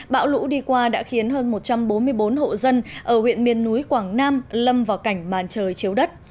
bão lũ đi qua đã khiến hơn một trăm bốn mươi bốn hộ dân ở huyện miền núi quảng nam lâm vào cảnh màn trời chiếu đất